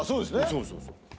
そうそうそう。